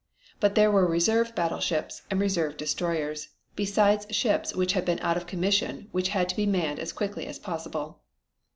But there were reserve battleships and reserve destroyers, besides ships which had been out of commission which had to be manned as quickly as possible.